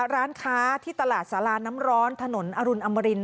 ร้านค้าที่ตลาดสาราน้ำร้อนถนนอรุณอมริน